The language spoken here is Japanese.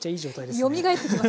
よみがえってきます